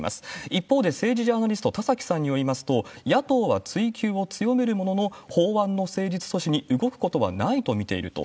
一方で、政治ジャーナリスト、田崎さんによりますと、野党は追及を強めるものの、法案の成立阻止に動くことはないと見られていると。